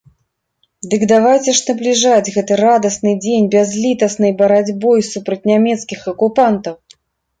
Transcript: Дык давайце ж набліжаць гэты радасны дзень бязлітаснай барацьбой супраць нямецкіх акупантаў!